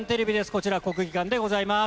こちら、国技館でございます。